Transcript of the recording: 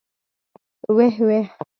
ويح ويح.